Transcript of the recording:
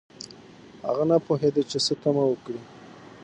هغه نه پوهیده چې څه تمه وکړي